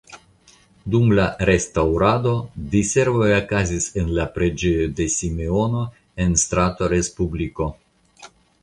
Dum la restaŭrado diservoj okazis en la preĝejo de Simeono en strato Respubliko.